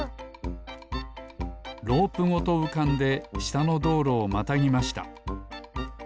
ロープごとうかんでしたのどうろをまたぎました。